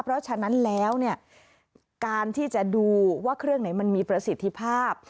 เพราะฉะนั้นแล้วเนี่ยการที่จะดูว่าเครื่องไหนมันมีประสิทธิภาพ